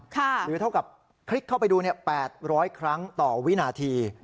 หรือเท่ากับคลิกเข้าไปดู๘๐๐ครั้งต่อวินาที